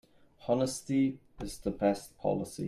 Honesty is the best policy.